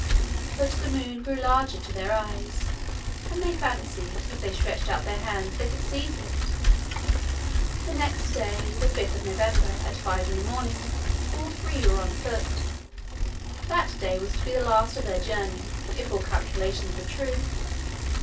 But the moon grew larger to their eyes, and they fancied if they stretched out their hands they could seize it. The next day, the 5th of November, at five in the morning, all three were on foot. That day was to be the last of their journey, if all calculations were true.